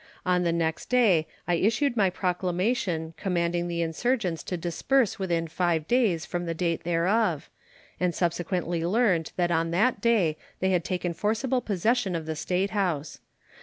On the next day I issued my proclamation commanding the insurgents to disperse within five days from the date thereof, and subsequently learned that on that day they had taken forcible possession of the statehouse.